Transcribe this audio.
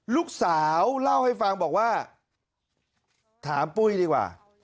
ลูกสาวเล่าให้ฟังบอกว่าถามปุ้ยดีกว่า